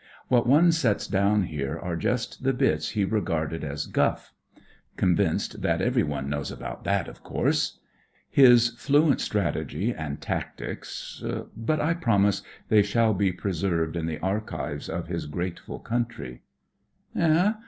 What one sets down here are just the bits he regarded as "guff"; convinced that " everyone knows about that, of course." His fluent strategy and tactics— but I promise they shall be preserved in the archives of his grateful country. " Eh